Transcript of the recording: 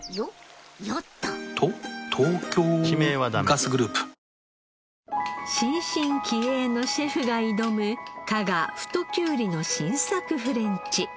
ガスグループ新進気鋭のシェフが挑む加賀太きゅうりの新作フレンチ。